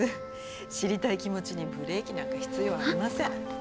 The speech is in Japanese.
知りたい気持ちにブレーキなんか必要ありません。